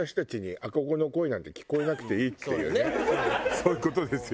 そういう事ですよ